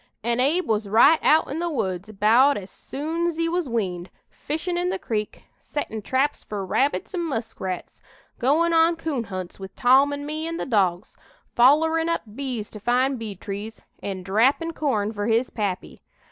An' Abe was right out in the woods about as soon's he was weaned, fishin' in the creek, settin' traps fur rabbits an' muskrats, goin' on coon hunts with Tom an' me an' the dogs, follerin' up bees to find bee trees, an' drappin' corn fur his pappy.